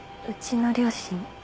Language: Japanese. うちの両親。